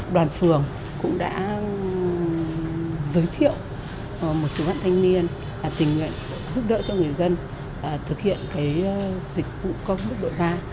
đoàn phường cũng đã giới thiệu một số văn thanh niên tình nguyện giúp đỡ cho người dân thực hiện cái dịch vụ có mức đội ba